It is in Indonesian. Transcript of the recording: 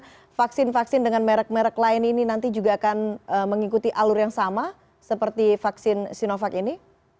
apakah vaksin vaksin dengan merek merek lain ini nanti juga akan mengikuti alur yang sama seperti vaksin sinovac ini